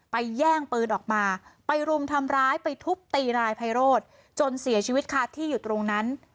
แย่งปืนออกมาไปรุมทำร้ายไปทุบตีนายไพโรธจนเสียชีวิตคาที่อยู่ตรงนั้น